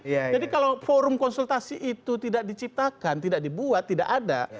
jadi kalau forum konsultasi itu tidak diciptakan tidak dibuat tidak ada